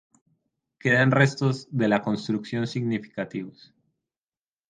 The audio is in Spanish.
Quedan restos de la construcción significativos.